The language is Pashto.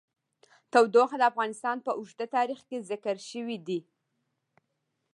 تودوخه د افغانستان په اوږده تاریخ کې ذکر شوی دی.